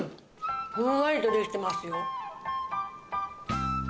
ふんわりとできてますよ。